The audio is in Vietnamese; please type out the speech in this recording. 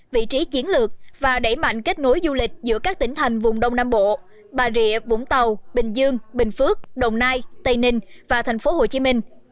vị trí chiến lược và đẩy mạnh kết nối du lịch giữa các tỉnh thành vùng đông nam bộ bà rịa vũng tàu bình dương bình phước đồng nai tây ninh và tp hcm